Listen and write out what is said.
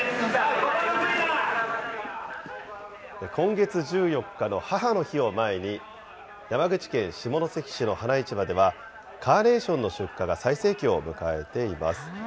今月１４日の母の日を前に、山口県下関市の花市場では、カーネーションの出荷が最盛期を迎えています。